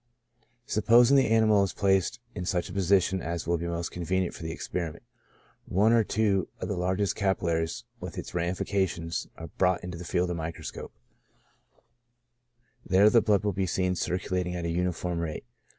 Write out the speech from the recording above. Supposing the animal is placed in such a position as will be most convenient for the experiment ; one or two of the largest capillaries, with its ramifications, are brought into the field of the microscope ; there the blood will be seen circulating at a uniform rate.